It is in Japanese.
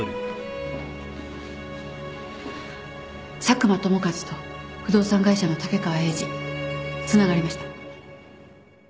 佐久間友和と不動産会社の竹川栄二繋がりました。